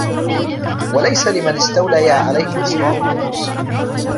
وَلَيْسَ لِمَنْ اسْتَوْلَيَا عَلَيْهِ إصْغَاءٌ لِنُصْحٍ